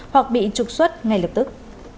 hoặc bị trục xuất ngay lập tức